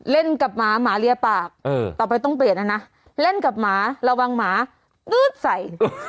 เล่นกับหมาหมาเรียปากต่อไปต้องเปลี่ยนนะนะเล่นกับหมาระวังหมากื๊ดใส่